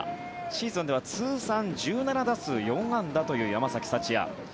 シーズンでは通算１７打数４安打という山崎福也。